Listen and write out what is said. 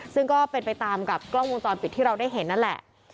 ซึ่งก็เป็นไปตามกับกล้องวงจรปิดที่เราได้เห็นนั่นแหละ